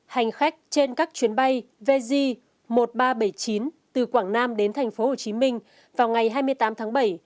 hành khách trên các chuyến bay vg một nghìn ba trăm bảy mươi chín từ quảng nam đến tp hcm vào ngày hai mươi tám tháng bảy